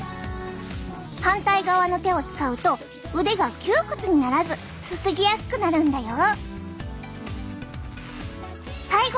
反対側の手を使うと腕が窮屈にならずすすぎやすくなるんだよ。